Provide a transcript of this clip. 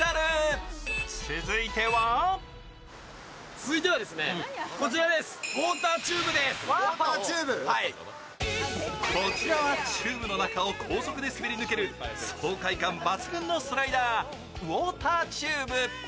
続いてはこちらはチューブの中を高速で滑り抜ける爽快感抜群のスライダーウォーターチューブ。